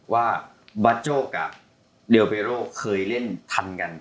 ว่าบาโจ้กับเรียลเบโรเคยเล่นทันกัน